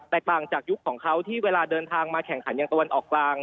ต่างจากยุคของเขาที่เวลาเดินทางมาแข่งขันอย่างตะวันออกกลาง